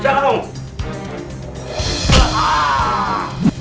keluaran lalu kembali